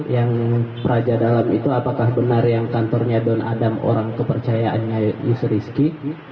yang peraja dalam itu apakah benar yang kantornya don adam orang kepercayaannya yusuf rizky